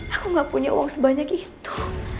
aku gak punya uang sebanyak itu